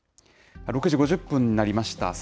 ６時５０分になりました。